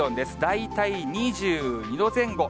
大体２２度前後。